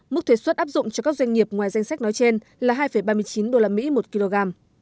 mức thuế xuất áp dụng cho các doanh nghiệp ngoài danh sách nói trên là hai ba mươi chín usd một kg